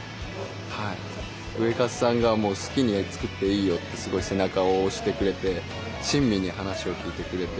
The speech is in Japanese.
ウエカツさんが好きに作っていいよってすごい背中を押してくれて親身に話を聞いてくれて。